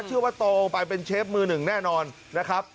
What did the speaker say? เชื่อว่าโตไปเป็นเชฟมือหนึ่งแน่นอนนะครับ